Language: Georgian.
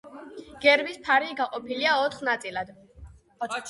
გერბის ფარი გაყოფილია ოთხ ნაწილად.